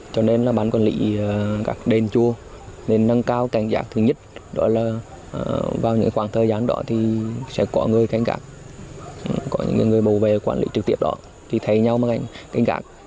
cho nên là bán quản lý các đền chùa nên nâng cao cảnh giác thứ nhất đó là vào những khoảng thời gian đó thì sẽ có người cánh gạc có những người bảo vệ quản lý trực tiếp đó thì thấy nhau mà cánh gạc